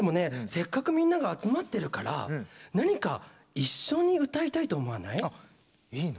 せっかくみんなが集まってるから何か一緒に歌いたいと思わない？いいの？